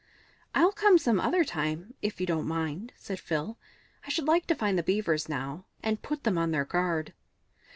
"I'll come some other time, if you don't mind," said Phil. "I should like to find the Beavers now, and put them on their guard."